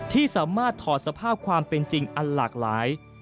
ที่สามารถถอดสภาพความเป็นจริงอันหลากหลาย